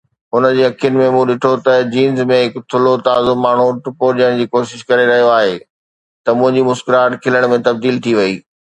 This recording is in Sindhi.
هن جي اکين ۾، مون ڏٺو ته جينز ۾ هڪ ٿلهو تازو ماڻهو ٽپو ڏيڻ جي ڪوشش ڪري رهيو آهي، ته منهنجي مسڪراهٽ کلڻ ۾ تبديل ٿي وئي.